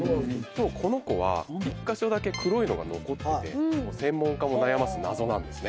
この子は１か所だけ黒いのが残ってて専門家も悩ます謎なんですね